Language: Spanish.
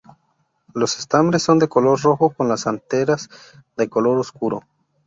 Los estambres son de color rojo con las anteras de color oscuro.